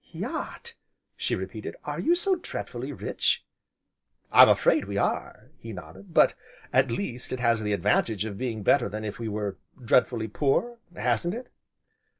"Yacht!" she repeated, "are you so dreadfully rich?" "I'm afraid we are," he nodded, "but, at least, it has the advantage of being better than if we were dreadfully poor, hasn't it?"